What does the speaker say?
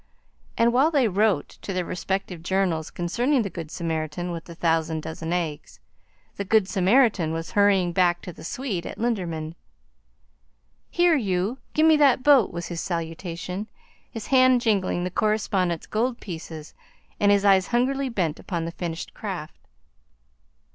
And while they wrote to their respective journals concerning the Good Samaritan with the thousand dozen eggs, the Good Samaritan was hurrying back to the Swede at Linderman. "Here, you! Gimme that boat!" was his salutation, his hand jingling the correspondents' gold pieces and his eyes hungrily bent upon the finished craft.